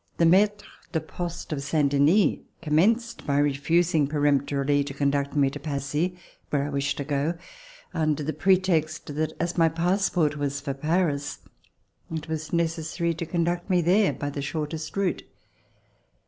The maitre de poste of Saint Denis commenced by refusing peremptorily to conduct me to Passy where I wished to go, under the pretext that as my passport was for Paris, it was necessary to conduct me there by the shortest route.